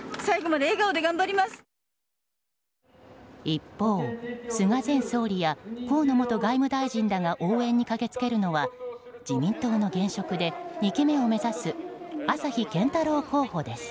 一方、菅前総理や河野元外務大臣らが応援に駆けつけるのは自民党の現職で２期目を目指す朝日健太郎候補です。